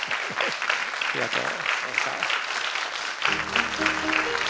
ありがとう。